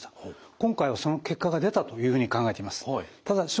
今回はその結果が出たというふうに考えています。